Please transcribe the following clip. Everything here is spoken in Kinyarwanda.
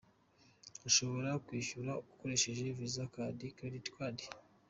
Ushobora kwishyura ukoresheje visa card, credit card.